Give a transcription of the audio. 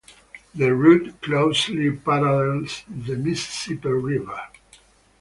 The route closely parallels the Mississippi River.